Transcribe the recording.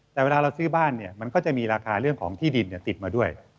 แต่เวลาเราซื้อบ้านเนี่ยมันก็จะมีราคาเรื่องของที่ดินติดมาด้วย